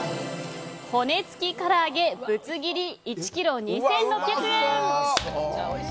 骨付きからあげぶつ切り、１ｋｇ２６００円。